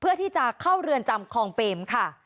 เพื่อที่จะเข้าเรือนจำคลองเปมค่ะ